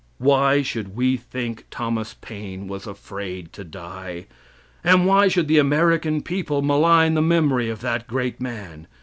Why should we think Thomas Paine was afraid to die? and why should the American people malign the memory of that great man?